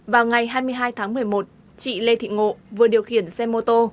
vào ngày hai mươi hai tháng một mươi một chị lê thị ngộ vừa điều khiển xe mô tô